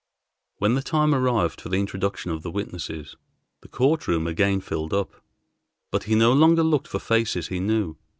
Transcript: When the time arrived for the introduction of the witnesses, the court room again filled up; but he no longer looked for faces he knew.